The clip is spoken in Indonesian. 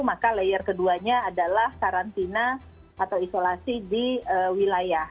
maka layer keduanya adalah karantina atau isolasi di wilayah